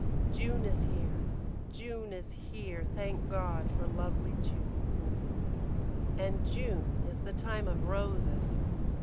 June is here June is here; thank God for lovely June! And June is the time of Roses.